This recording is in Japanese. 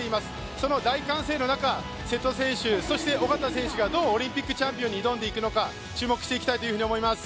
その大歓声の中、瀬戸選手、そして小方選手がどうオリンピックチャンピオンに挑んでいくのか楽しみにしています。